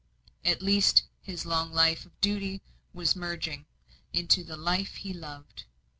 At last, his long life of duty was merging into the life he loved.